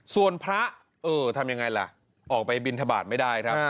ส่วนพระเออทำยังไงล่ะออกไปบินทบาทไม่ได้ครับ